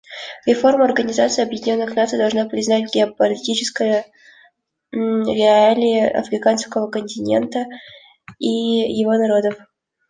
Реформа Организации Объединенных Наций должна признать геополитические реалии африканского континента и его народов.